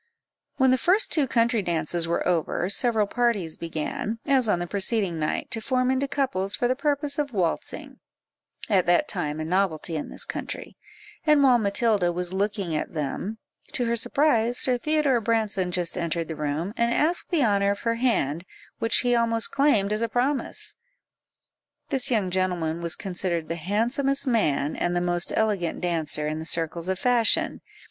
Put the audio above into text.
When the first two country dances were over, several parties began, as on the preceding night, to form into couples for the purpose of waltzing, at that time a novelty in this country; and while Matilda was looking at them, to her surprise, Sir Theodore Branson just entered the room, and asked the honour of her hand, which he almost claimed as a promise. This young gentleman was considered the handsomest man, and the most elegant dancer, in the circles of fashion.